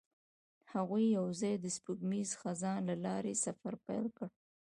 هغوی یوځای د سپوږمیز خزان له لارې سفر پیل کړ.